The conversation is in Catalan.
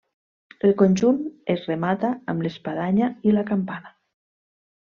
El conjunt es remata amb l'espadanya i la campana.